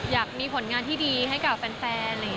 อยากมีผลงานที่ดีให้กับแฟนอะไรอย่างนี้